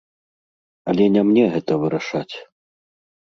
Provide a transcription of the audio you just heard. Але не мне гэта вырашаць.